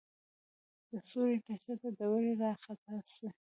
د سوړې له چته ډبرې راخطا سوې.